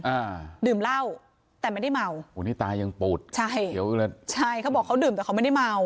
อ่าดื่มเหล้าแต่ไม่ได้เมาโอ้นี่ตายังปูดใช่เดี๋ยวใช่เขาบอกเขาดื่มแต่เขาไม่ได้เมา